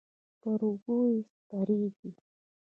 پر اوږو یې سپرېږي.